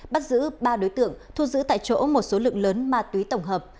bắt giữ ba đối tượng thu giữ tại chỗ một số lượng lớn ma túy tổng hợp